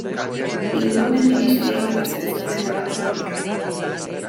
Ingurumen ministerioan gastatzen den halako hamar.